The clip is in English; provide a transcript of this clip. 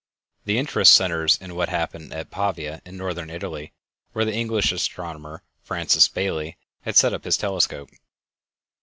The interest centers in what happened at Pavia in Northern Italy, where the English astronomer Francis Baily had set up his telescope.